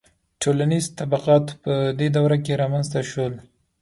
• ټولنیز طبقات په دې دوره کې رامنځته شول.